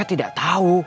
saya tidak tahu